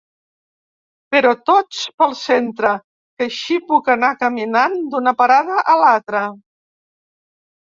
Però tots pel centre, que així puc anar caminant d'una parada a l'altra.